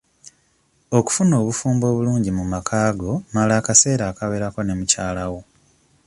Okufuna obufumbo obulungi mu makaago mala akaseera akawerako ne mukyalawo.